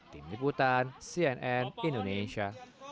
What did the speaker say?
tim liputan cnn indonesia